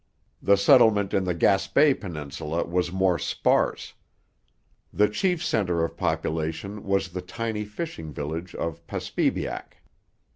The settlement in the Gaspe peninsula was more sparse; the chief centre of population was the tiny fishing village of Paspebiac.